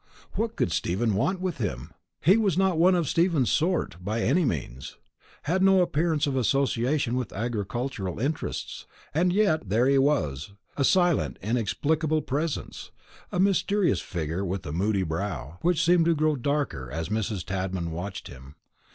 What could Stephen want with him? He was not one of Stephen's sort, by any means; had no appearance of association with agricultural interests. And yet there he was, a silent inexplicable presence, a mysterious figure with a moody brow, which seemed to grow darker as Mrs. Tadman watched him.